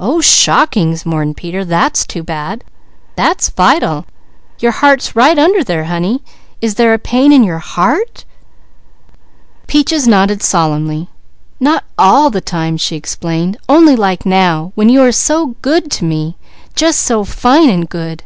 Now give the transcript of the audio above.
"Oh shockings!" mourned Peter. "That's too bad! That's vital! Your heart's right under there, honey. Is there a pain in your heart?" Peaches nodded solemnly. "Not all the time!" she explained. "Only like now, when you are so good to me. Jus' so fine and good."